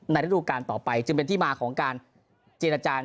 ในธุรการต่อไปจึงเป็นที่มาของการเจียนอาจารย์